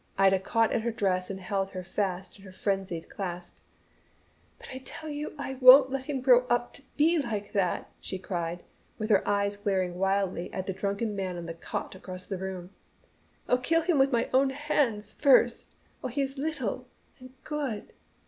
Ida caught at her dress and held her fast in her frenzied clasp. "But I tell you I won't let him grow up to be like that!" she cried with her eyes glaring wildly at the drunken man on the cot across the room. "I'll kill him with my own hands first, while he is little and good.